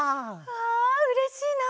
わあうれしいな。